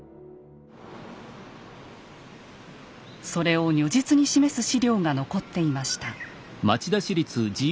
それを如実に示す資料が残っていました。